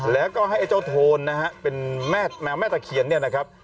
แล้วก็ให้ไอ้เจ้าโทนนะฮะเป็นแม่ตะเคียนเนี่ยนะครับ